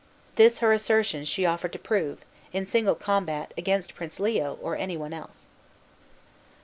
This her assertion she offered to prove, in single combat, against Prince Leo, or any one else.